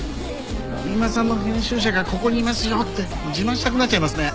三馬さんの編集者がここにいますよって自慢したくなっちゃいますね。